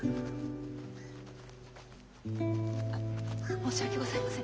申し訳ございません。